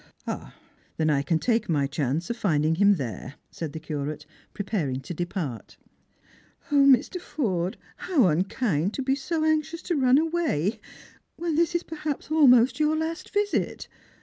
" Then I can take my chance of finding hira there," said the Curate, preparing to depart. " 0, Mr. Forde, how unkind to be so anxious to run away, when this is perhaps almost your last visit.